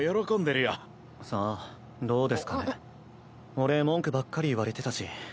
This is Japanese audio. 俺文句ばっかり言われてたし。